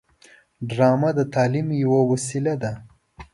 ډرامه د تعلیم یوه وسیله ده